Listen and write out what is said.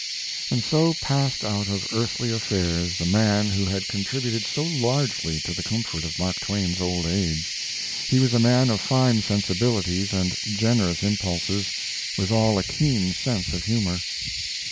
And so passed out of earthly affairs the man who had contributed so largely to the comfort of Mark Twain's old age. He was a man of fine sensibilities and generous impulses; withal a keen sense of humor.